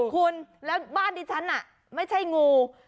คุณแล้วบ้านที่ฉันน่ะไม่ใช่งู